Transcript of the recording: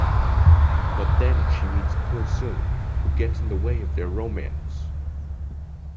But then she meets Pil-seung, who gets in the way of their romance.